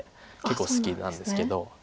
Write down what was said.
結構好きなんですけど。